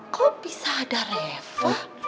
kok bisa ada reva